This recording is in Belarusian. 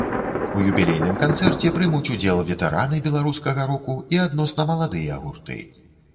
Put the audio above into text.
У юбілейным канцэрце прымуць удзел ветэраны беларускага року і адносна маладыя гурты.